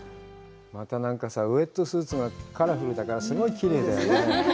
またウエットスーツがカラフルだからすごい、きれいだよね。